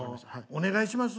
お願いします。